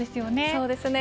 そうですね。